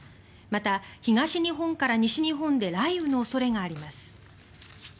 また、東日本から西日本で雷雨の恐れがあります。